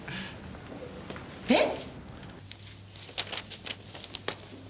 えっ！？